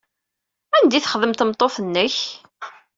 Anda ay txeddem tmeṭṭut-nnek?